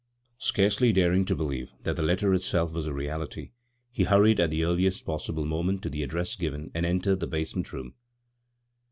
Scarcely daring to believe that the letter itself was a reality, he hurried at the earliest possible moment to the address given, and entered the basement room.